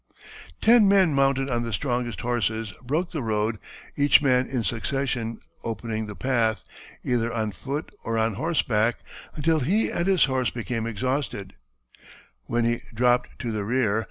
Ten men, mounted on the strongest horses, broke the road, each man in succession opening the path, either on foot or on horseback, until he and his horse became exhausted, when he dropped to the rear.